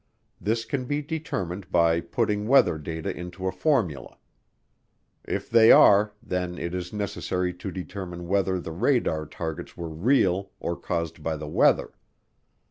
This can be determined by putting weather data into a formula. If they are, then it is necessary to determine whether the radar targets were real or caused by the weather.